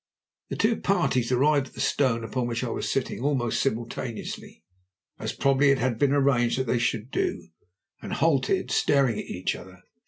The two parties arrived at the stone upon which I was sitting almost simultaneously, as probably it had been arranged that they should do, and halted, staring at each other.